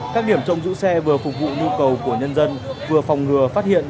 các điểm trông giữ xe vừa phục vụ nhu cầu của nhân dân vừa phòng ngừa phát hiện